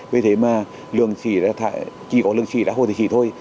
vì thế mà lượng xỉ chỉ có lượng xỉ là hồ thầy xỉ thôi